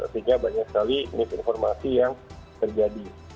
sehingga banyak sekali misinformasi yang terjadi